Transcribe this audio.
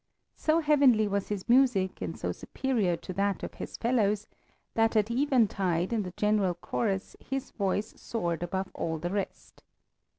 So heavenly was his music, and so superior to that of his fellows, that at eventide in the general chorus his voice soared above all the rest.